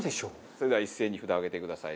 それでは一斉に札を上げてください。